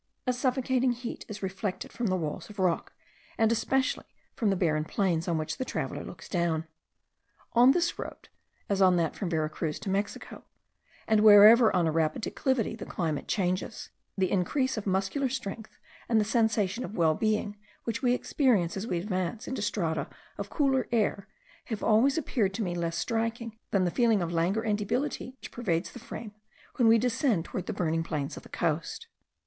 A suffocating heat is reflected from the walls of rock, and especially from the barren plains on which the traveller looks down. On this road, as on that from Vera Cruz to Mexico, and wherever on a rapid declivity the climate changes, the increase of muscular strength and the sensation of well being, which we experience as we advance into strata of cooler air, have always appeared to me less striking than the feeling of languor and debility which pervades the frame, when we descend towards the burning plains of the coast.